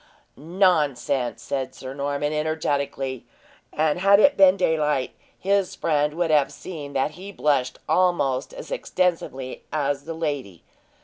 "Nonsense!" said Sir Norman, energetically. And had it been daylight, his friend would have seen that he blushed almost as extensively as the lady.